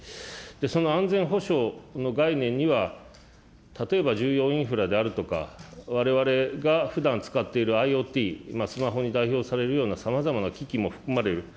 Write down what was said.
その安全保障の概念には、例えば重要インフラであるとか、われわれがふだん使っているＩｏＴ、スマホに代表されるような、さまざまな機器も含まれる。